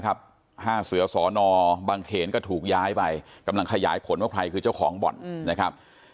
ห้าเสือสอนอบางเขนก็ถูกย้ายไปกำลังขยายผลว่าใครคือเจ้าของบ่อนนะครับ